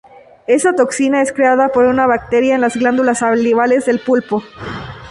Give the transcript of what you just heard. Esa toxina es creada por una bacteria en las glándulas salivales del pulpo.